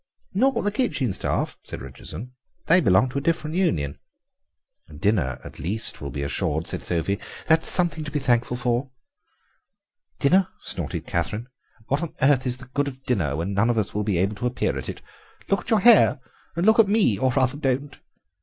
"Not the kitchen staff," said Richardson, "they belong to a different union." "Dinner at least will be assured," said Sophie, "that is something to be thankful for." "Dinner!" snorted Catherine, "what on earth is the good of dinner when none of us will be able to appear at it? Look at your hair—and look at me! or rather, don't."